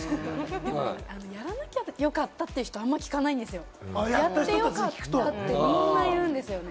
やらなきゃよかったって人、あんまり聞かないんですよ、やって良かったってみんな言うんですよね。